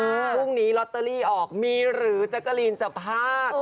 พรุ่งนี้ลอตเตอรี่ออกมีหรือแจ๊กกะลีนจะพลาด